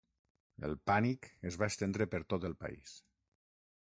El pànic es va estendre per tot el país.